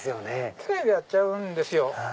機械でやっちゃうんですよ。